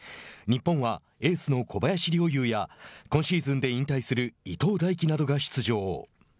日本は、エースの小林陵侑や今シーズンで引退する伊東大貴などが出場。